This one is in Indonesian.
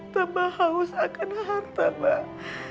tambah haus akan harta pak